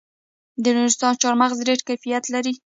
د نورستان چهارمغز ډیر کیفیت لري.